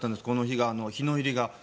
この日の日の入りが。